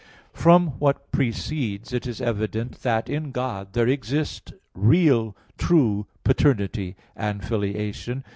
From what precedes (Q. 27, A. 2; Q. 33, AA. 2 ,3), it is evident that in God there exist real true paternity and filiation.